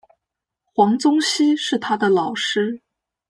黄宗羲是他的老师。